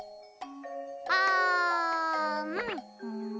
あん！